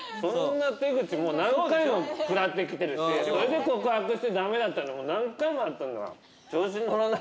そんな手口もう何回も食らってきてるしそれで告白して駄目だったの何回もあったんだから。